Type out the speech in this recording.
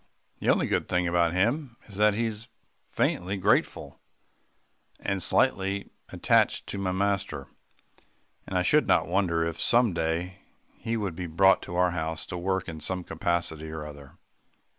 The only good thing about him is that he is faintly grateful, and slightly attached to my master, and I should not wonder if some day he would be brought to our house to work in some capacity or other.